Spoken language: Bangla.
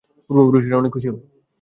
পূর্বপুরুষেরা অনেক খুশি হবে।